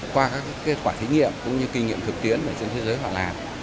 qua các kết quả thí nghiệm cũng như kinh nghiệm thực tiễn trên thế giới họ làm